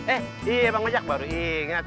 eh iya bang ojak baru inget